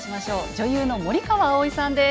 女優の森川葵さんです。